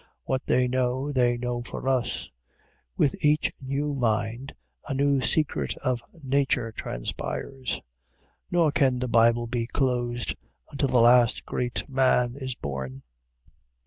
What they know they know for us. With each new mind, a new secret of nature transpires; nor can the Bible be closed until the last great man is born.